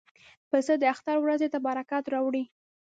پسه د اختر ورځې ته برکت راوړي.